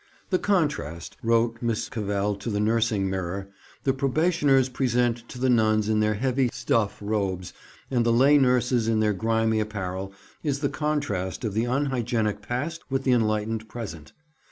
'The contrast,' wrote Miss Cavell to the Nursing Mirror, 'the probationers present to the nuns in their heavy stuff robes, and the lay nurses in their grimy apparel, is the contrast of the unhygienic past with the enlightened present.